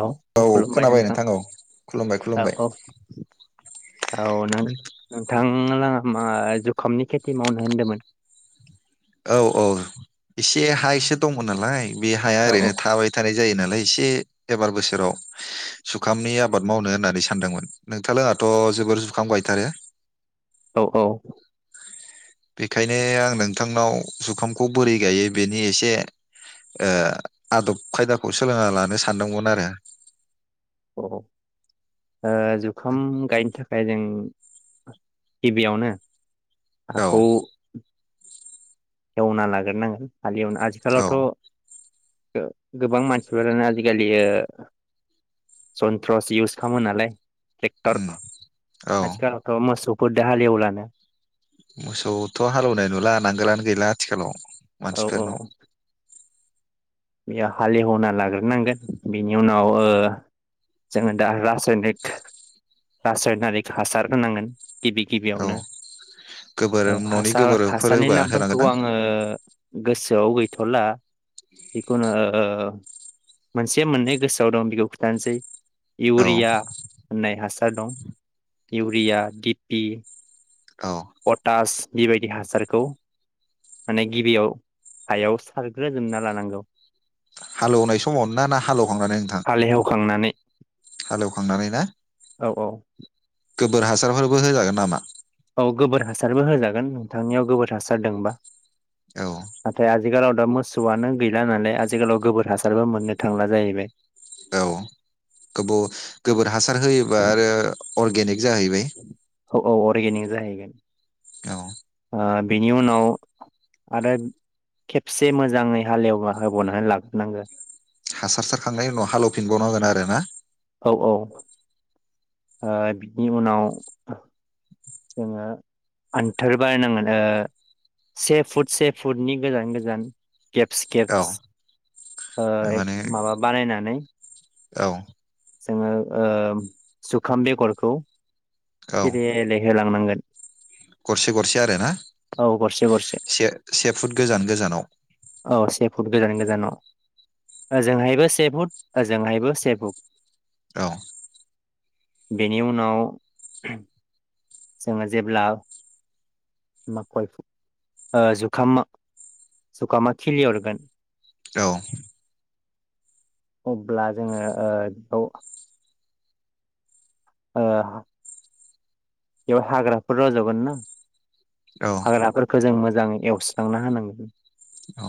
औ औ खुलुमबाय नोंथां खुलुमबाय औ खुलुमबाय औ औ नो-नोंथाङ लाङा मा जुखामनि खेथि मावनो होनदोमोन। औ औ इसे हा इस दङ नालाय बे हाया औ ओरैनो थाबाय थानाय जायो नालाय एसे एबार बोसोराव जुखामनि आबाद मावनो होननानै सानदोंमोन नोंथांलाङाथ' जोबोर जुखाम गायथारो। औ औ बेखायनो आं नोंथांनाव जुखामखौ बोरै गायो बेनि एसे ओ आदब खायदाखौ सोलोंना लानो सानदोंमोन आरो। औ ओ जुखाम गायनो थाखाय जों गिबियावनो औ हाखौ एवना लाग्रोनांगोन। हालिवनो औ आथिखालावथ' गोबां मानसिफोरानो आजिखालि ओ जनथ्रस इउस खामो नालाय टेक्टर उम औ आथिखाल मोसौ फोरदो हालिएवलानो। मोसौथ' हालेवनाय नुला नांगोलानो गैला आथिखालाव। औ औ। मानसिफोरनाव बेयो हालेवना लाग्रोनांगोन बेनि उनाव ओ जोङो दा रासायनिक रासायनारिक हासार होनांगोन। गिबि औ गिबियावनो गोबोर ओ न'नि हासार गोबोरफोर हासारनि होबा नामफोरखौ होनांगोन ना आङो गोसोआव गैथ'ला जिखुनु ओ मोनसे मोननै गोसोआव दं बेखौ खिथानोसै औ इउरिया होननाय हासार दं इउरिया डिपि औ। तास बिबायदि हासारखौ माने गिबियाव हायाव सारग्रोजोबना लानांगौ। [inaudible] हालौनाय समाव ना ना हालौ हाल हेवखांनानै खांनानै ना? औ औ। गोबोर हासारफोरबो होजागोन नामा? औ गोबोर हासारबो होजागोन नोंथांनियाव गोबोर हासार दोंबा। औ। आजिखालाव दा मोसौआनो गैला नालाय आजिखालाव गोबोर हासारबो मोननो थांला जाहैबाय। गोबोव गोबोर हासार होयोबा आरो अर्गेनिक जाहैबाय। औ अर्गेनिक जाहैगोन। औ। ओ बिनि उनाव आरो खेबसे मोजाङै हाल एवबा होबौनानै लाग्रोनो नांगो। हासार सारखांनायनि उनाव हालौफिनबावनांगोन आरो ना। औ औ ओ बिनि उनाव जोङो आन्थार बारनांगोन ओ से से फुटनि गोजान गोजान। गेप्स औ गेप्स ओ माने माबा बानायनानै औ। जोङो ओ जुखाम बेगरखौ औ सिरियेलहै होलांनांगोन। गरसे गरसे आरो ना। औ गरसे गरसे से से फुट गोजान गोजानाव। औ से फुट गोजान गोजानाव ओजोंहायबो से फुट ओजोंहायबो से फुट। औ। बेनि उनाव जोङो जेब्ला माकय ओ जुखाम जुखामा खिलि हरगोन। औ। अब्ला जोङो ओ बेखौ ओ बेयाव हाग्राफोर रज'गोन ना? औ हाग्राफोरखौ जों मोजाङै एवस्रांना होनांगौ, औ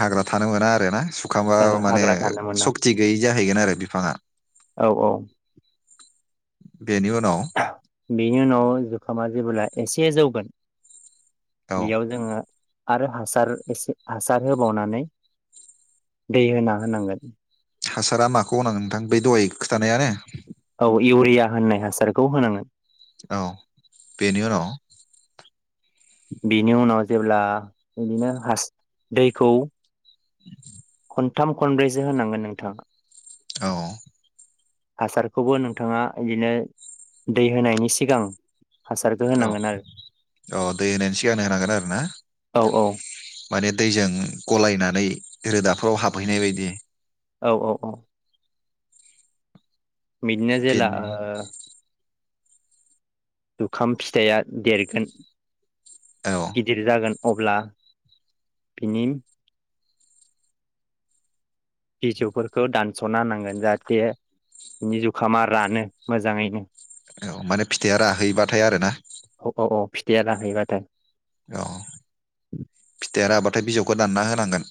हाग्रा थानो मोना आरो ना, सुखांबा माने हाग्रा थानो मोना सक्ति गैयि जाहैगोन आरो बिफाङा। औ औ बेनि उनाव? बेनि उनाव जुखामा जेब्ला एसे जौगोन औ बेयाव जोङो आरो हासार एसे हासार होबावनानै दै होना होनांगोन। हासारा माखौ होनांगो नोंथां बै दहाय खिथानायानो? औ इउरिया होननाय हासारखौ होनांगोन। औ बेनि उनाव? बिनि उनाव जेब्ला बिदिनो दैखौ खनथाम खनब्रैसो होनांगोन नोंथाङा। औ। हासारखौबो नोंथाङा बिदिनो दै होनायनि सिगां हासारखौ औ होनांगोन आरो औ दै होनायनि सिगांनो होनांगोन आरो ना औ औ माने दैजों गलायनानै रोदाफ्राव हाबहैनाय बायदि। औ औ औ। बिदिनो जेला बेनि ओ जुखाम फिथाइया देरगोन औ गिदिर जागोन अब्ला बिनि बिजौफोरखौ दानस'ना होनांगोन जाहाथे बि जुखामा रानो मोजाङैनो। औ माने फिथाइया राहैबाथाय आरो ना? औ औ औ फिथाइया राहैबाथाय। औ फिथाइया राबा ओमफाय बिजौखो दानना होनांगोन।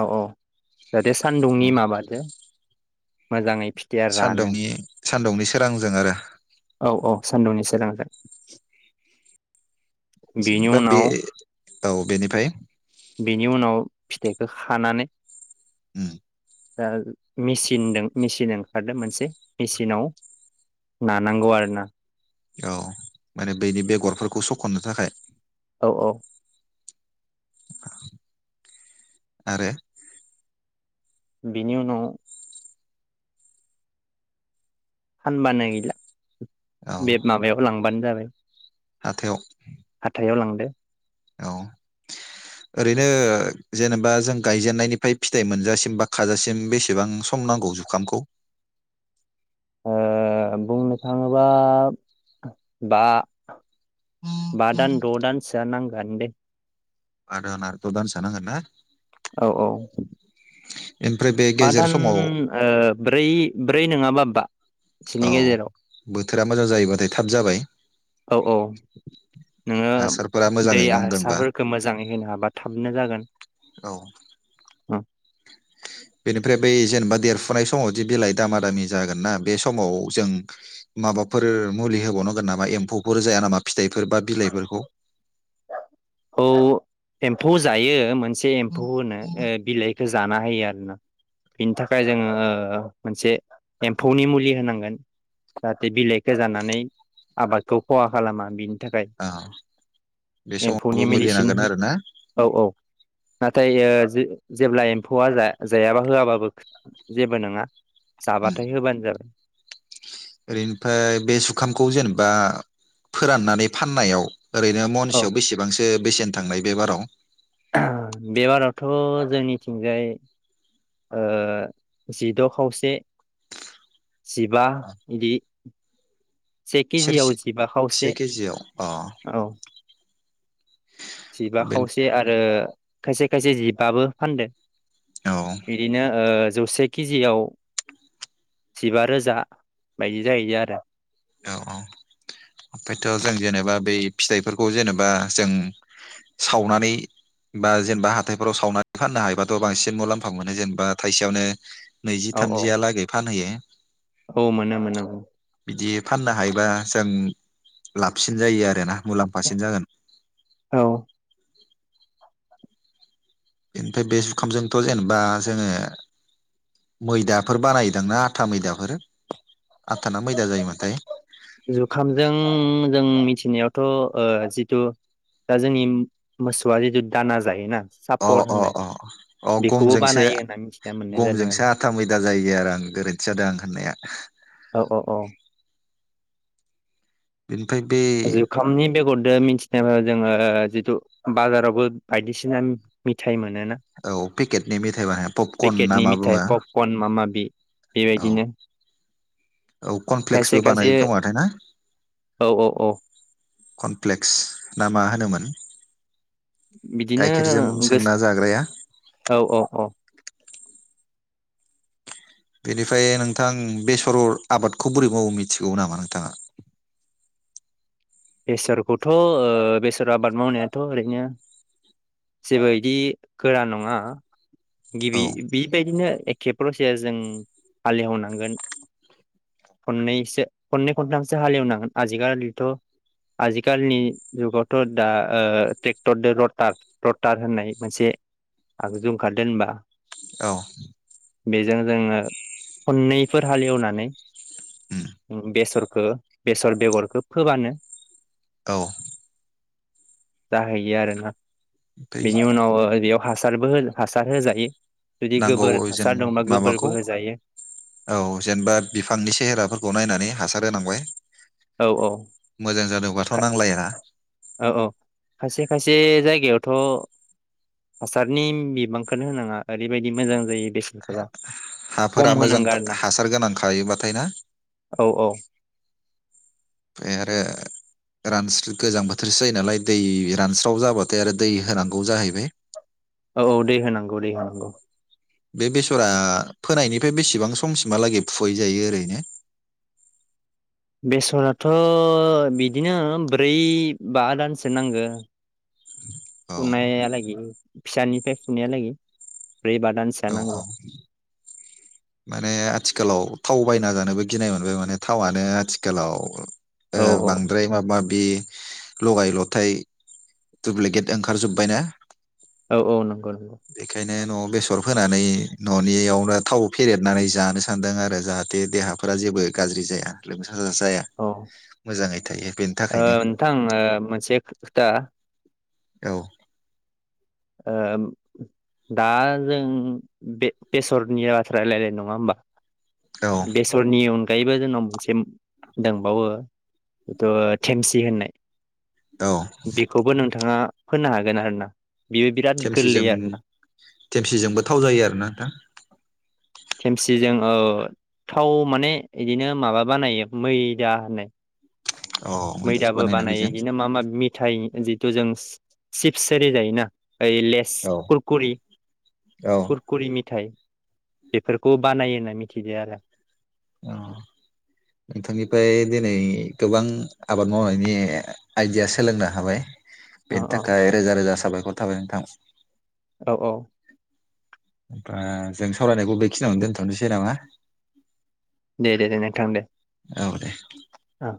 औ औ। जाहाथे सान्दुंनि औ माबाजों मोजाङै फिथाइया रानो सान्दुंनि सानदुंनि सोरांजों आरो। औ औ सान्दुंनि सोरांजों। बिनि बा बे उनाव औ बेनिफ्राय बिनि उनाव फिथाइखो खानानै उम। ओ मेचिनदों मेचिन ओंखारदों मोनसे मेचिनाव नानांगौ आरोना। औ माने बैनि बेगरफोरखौ सखननो थाखाय औ औ आरो बिनि उनाव हानबानाय गैला औ बे माबायाव लांबानो जाबाय। [inaudible] हाथायाव हाथायाव लांदो औ ओरैनो जेनेबा जों गायजेननायनिफ्राय फिथाइ मोनजासिम बा खाजासिम बेसेबां सम नांगौ जुखामखौ? ओ बुंनो थाङोबा बा बा दान द' दान सोआ नां गोनदे बा दान आरो द दानसो नांगोनना? औ औ ओमफ्राय बे बा गेजेर दान समाव ओ ब्रै ब्रै नोङाबा बा औ सिनि गेजेराव बोथोरा मोजां जायोबाथाय थाब जाबाय औ औ नोङो हासारफोरा दै मोजाङै नांदोंबा हासारफोरखौ मोजाङै होनो हाबा थाबनो जागोन। औ बेनिफ्राय बै जेनेबा देरफुनाय समावदि बिलाइ दामा दामि जागोन ना बे समाव जों माबाफोर मुलि होबावनांगोन नामा? एम्फौफोर जाया नामा? फिथाइफोर बा बिलाइफोरखौ औ एम्फौ जायो मोन से एम्फौ होनो ओ बिलाइखो जाना होयो आरो ना बिनि थाखाय जोङो मोनसे एम्फौनि मुलि होनांगोन । जाहाथे बिलाइखौ जानानै आबादखौ खहा खालामा बि अ एम्फौनि मेडिसिन औ औ नाथाय ओ जे-जेब्ला एम्फौआ जाया जायाबा होआबाबो जेबो नोङा। जाबाथाय होबानो जाबाय। ओरैनिफ्राय बे जुखामखौ जेनेबा फोराननानै फाननायाव ओरैनो औ मनसेआव बेसेबांसो सो बेसेन थांनाय बे बाराव बे बारावथ' जोंनिथिंजाय ओ जिद' खावसे जिबा बिदि से सेरसे केजियाव जिबा से खावसे केजियाव अ औ जिबा बे खावसे आरो खायसे खायसे जिबाबो फानदो। औ बिदिनो ओ जौसे केजियाव जिबा रोजा बायदि जाहैयो आरो। औ औ ओमफ्रायथ' जों जेनेबा बै फिथाइफोरखौ जेनेबा जों सावनानै बा जेनेबा हाथाइफोराव सावनानै फाननो हायोबाथ' बांसिन मुलाम्फा मोनो जेनेबा थाइसेयावनो नैजि औ औ थामजिया लागै फानहैयो। [inaudible] औ मोनो मोनो उम नो हायो बा जों उम लाबसिन जायो आरो ना मुलाम्फासिन जागोन। औ बेनिफ्राय बे जुखामजोंथ' जेनेबा जोङो मैदाफोर बानायदां ना आथा मैदाफोर आथा ना मैदा जायोमोनथाय? जुखामजों जों मिथिनायावथ' ओ जिथु दा जोंनि मोसौआ जिथु दाना जायोना। अ सापर अ होननाय अ अ बेखौबो गमजोंसो बानायो होनना मिथिना मोननाय जादों गमजोंसो आरो। आथा मैदा जायो आरो आं गोरोन्थि जादों आं होननाया। औ औ औ [unintelligible] जुखामनि बेगर ओ मिथिनाय जोङो जितु बाजारावबो बायदिसिना मिथाइमोन मोनो ना औ पेकेटनि मेथाइ बानाय पपकर्न ना पेकेटनि मा बुङो मिथाइ पपकर्न मामा माबि औ बेबायदिनो औ खायसे कनफ्लेक्सबो खायसे बानायो खोमाथाय ना? औ औ औ कनप्लेक्स ना मा होनोमोन? बिदिनो गाइखेरजों गोस सोंना जाग्राया औ औ औ बेनिफ्राय नोंथां बेसर आबादखौ बोरै मावो मिथिगौ नामा नोंथाङा। बेसरखौथ' बेसर आबाद मावनायाथ' ओरैनो जेबो इदि औ गिबि बेबायदिनो। [unintelligible] [unintelligible] औ बेजों जोङो खननैफोर हालेवनानै। उम बेसर हो बेसर बेगरखौ फोबानो। औ जाहैयो आरोना। ओमफ्राय बेनि उनाव बेयाव हासार सारबो होनो हासार हो जायो । नांगौ जेन माबाखौ होजायो हासारहोनांबाय। औ औ मोजां जादोंबाथ नांलाया। औ औ खायसे खायसे जागायाथ हासारनि बिबांखोनो होनांआ ओरैबादि मोजां जायो बेसरा। हाफोरा मोजां हासार गोनांखायोबाथाय ना। औ औ ओमफ्राय आरो रानस्रो गोजां बोथोरसै जायोनालाय‌ दै रानस्राव जाबाथाय आरो दै होनांगौ जाहैबाय। औ औ दै होनांगौ दै होनांगौ। बे बेसरा फोनायनिफाय बिसिबां समसिमहालागै फुहैजायो ओरैनो। बेसराथ बिदिनो ब्रै बा दानसो नांगोन औ फुनाया लागि फिसानिफाय फुनाया लागि औ औ माने आथिखालाव थाव बायना जानोबो गिनाय मोनबाय माने थावानो आथिखालाव औ ओ औ बांद्राय माबा माब बे लगाय लथाय दुप्लिकेट ओंखारजोब्बाय ना औ औ नंग [unintelligible] नो नआव बेसर फोनानै ननियावनो थाव फेरेदनानै जानो सानदों आरो जाहाथे देहाफोरा जेबो गाज्रि जाया लो औ बेनि ओ थाखायनो नोंथां ओ मोनसे खो-खोथा औ ओ दा जों बे बेसर नि बाथ्रा रायलायदों नङा होनबा? औ बेसरनि अन बैबो जोंनाव मोनसे दंबावो बेथ थेमसि होननाय औ बेखौबो नोंथाङा फोनो हागोन आरो ना। बेयो बिराद गोरलै थेमसिजों थेमसिजोंबो थाव जायो आरोना नोंथां? थेमसिजों ओ थाव माने इदिनो माबा बानायो मैदा होननाय। अ मैथासो मैदाबो बानायना बानायो बेजों इदिनो माब माबि मिथाइ जिथु जों चि-चिप्स ओरि जायोना। ओइ लेस अ कुरकुरि खकुरकुरि मिथाइ। बेफोरखौ बानायो होनना मिथिदो आरो। अह नोंथांनिफ्राय दिनै गोबां आबाद मावनायनि आइडिया सोलोंनो हाबाय। अ बेनि अ थाखाय रोजा रोजा साबाय खर थाबाय नोंथां। औ औ। होमबा जों सावरायनायखौ बेखिनियावनो दोनथनोसै नामा? दे दे दे नोंथां दे। औ दे। औ